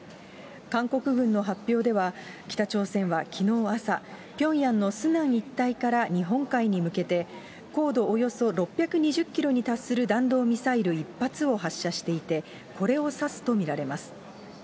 韓国軍の発表では、北朝鮮はきのう朝、ピョンヤンのスナン一帯から日本海に向けて、高度およそ６２０キロに達する弾道ミサイル１発を発射していて、これを指すと見られます。